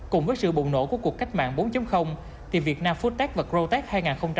cùng với sự bụng nổ của cuộc cách mạng bốn thì việt nam foodtech và growth tech hai nghìn hai mươi ba